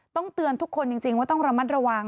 เตือนทุกคนจริงว่าต้องระมัดระวัง